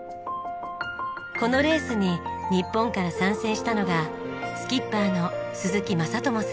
このレースに日本から参戦したのがスキッパーの鈴木晶友さん。